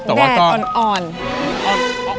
แต่ว่านั้นก็